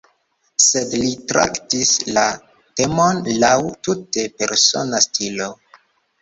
Sed li traktis la temon laŭ tute persona stilo.